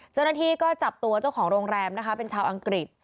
เจ้าหน้าที่ก็จับตัวเจ้าของโรงแรมนะคะเป็นชาวอังกฤษ